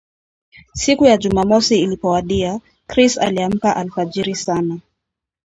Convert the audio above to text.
Siku ya Jumamosi ilipowadia, Chris aliamka alfajiri sana